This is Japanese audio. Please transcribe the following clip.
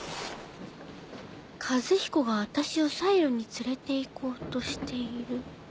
「和彦があたしをサイロにつれて行こうとしている」。